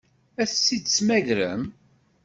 Ad tt-id-temmagrem?